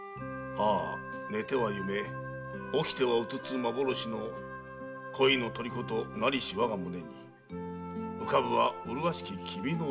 「ああ寝ては夢起きては現幻の恋の虜となりし我が胸に浮かぶは麗しき君の面影」